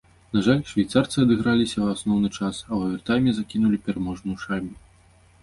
На жаль, швейцарцы адыграліся ў асноўны час, а ў авертайме закінулі пераможную шайбу.